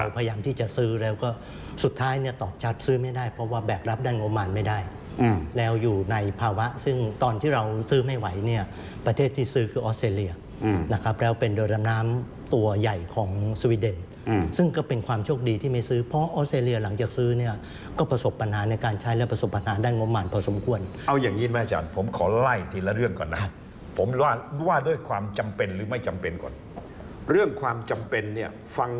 พยายามที่จะซื้อแล้วก็สุดท้ายเนี่ยตอบชัดซื้อไม่ได้เพราะว่าแบกรับด้านงบมารไม่ได้แล้วอยู่ในภาวะซึ่งตอนที่เราซื้อไม่ไหวเนี่ยประเทศที่ซื้อคือออสเซเลียนะครับแล้วเป็นดำน้ำตัวใหญ่ของสวีเดนซึ่งก็เป็นความโชคดีที่ไม่ซื้อเพราะออสเซเลียหลังจากซื้อเนี่ยก็ประสบปัญหาในการใช้และประส